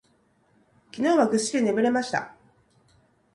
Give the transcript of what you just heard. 昨日はぐっすり眠れました。